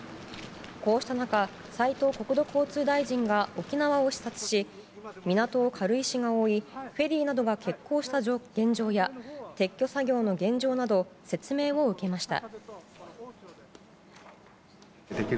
こうした中、斎藤国土交通大臣が沖縄を視察し港を軽石が覆いフェリーなどが欠航した状況や撤去作業の現状など説明を受けました。